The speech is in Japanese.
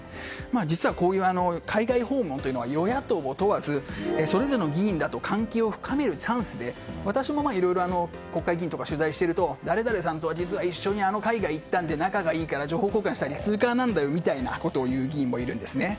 実は、こういう海外訪問は与野党を問わずそれぞれの議員らと関係を深めるチャンスで私もいろいろ国会議員とか取材していると誰々さんと実は一緒に海外に行ったので仲がいいから情報交換したりツーカーなんだよみたいなことを言う議員もいるんですね。